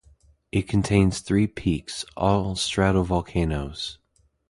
It contains three peaks, all stratovolcanoes.